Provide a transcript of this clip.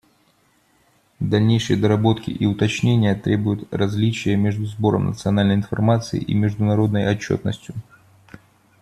Дальнейшей доработки и уточнения требует различие между сбором национальной информации и международной отчетностью.